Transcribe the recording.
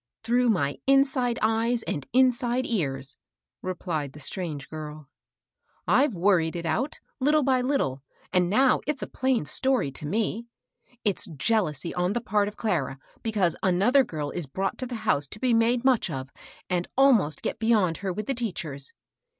" Through my inside eyes and inside ears," re plied the strange girl. " I've worried it out, lit tle by Uttle, and now it's a plain story to me. It's jealousy on the part of Clara, because another girl is brought to the house to be made much of and al most get beyond her with the teachers.